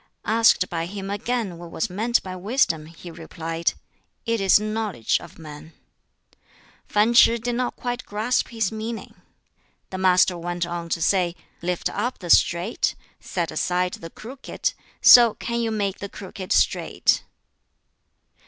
Asked by him again what was meant by wisdom, he replied, "It is knowledge of man." Fan Ch'i did not quite grasp his meaning. The Master went on to say, "Lift up the straight, set aside the crooked, so can you make the crooked straight."